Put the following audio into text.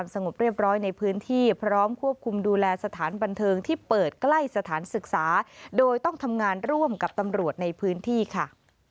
สงบเรียบร้อยในพื้นที่พร้อมควบคุมดูแลสถานบันเทิงที่เปิดใกล้สถานศึกษาโดยต้องทำงานร่วมกับตำรวจในพื้นที่ค่ะ